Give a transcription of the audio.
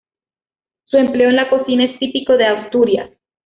Su empleo en la cocina es típico de Asturias.